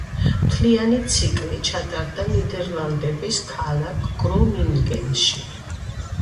მთლიანი ციკლი ჩატარდა ნიდერლანდების ქალაქ გრონინგენში.